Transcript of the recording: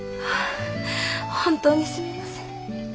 本当にすみません。